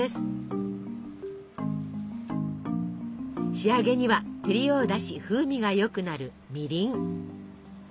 仕上げには照りを出し風味がよくなるみりん。